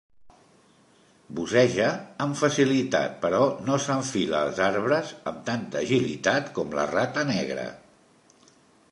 Busseja amb facilitat, però no s'enfila als arbres amb tanta agilitat com la rata negra.